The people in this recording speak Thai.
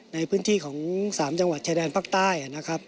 ในพื้นที่ของ๓จังหวัดชายแดนภาคใต้นะครับ